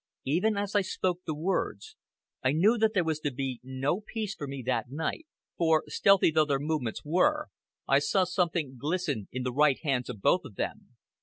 Even as I spoke the words, I knew that there was to be no peace for me that night, for, stealthy though their movements were, I saw something glisten in the right hands of both of them.